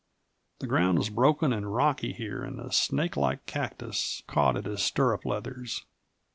The ground was broken and rocky here and the snake like cactus caught at his stirrup leathers.